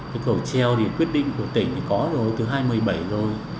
cái cầu treo thì quyết định của tỉnh thì có rồi từ hai mươi bảy rồi